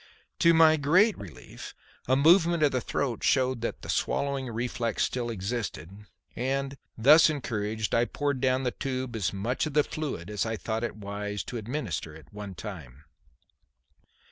To my great relief a movement of the throat showed that the swallowing reflex still existed, and, thus encouraged, I poured down the tube as much of the fluid as I thought it wise to administer at one time.